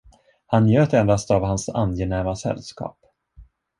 Han njöt endast av hans angenäma sällskap.